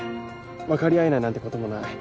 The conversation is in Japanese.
分かり合えないなんてこともない。